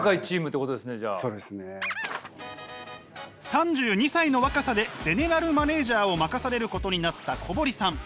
３２歳の若さでゼネラルマネージャーを任されることになった小堀さん。